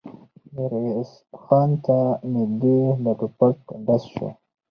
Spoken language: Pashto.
ميرويس خان ته نږدې د ټوپک ډز شو.